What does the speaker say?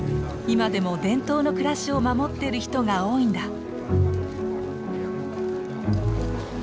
今でも伝統の暮らしを守ってる人が多いんだ。